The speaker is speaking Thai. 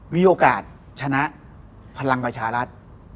มีโอกาสชนะพลังประชารัฐ